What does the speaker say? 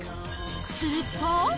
すると。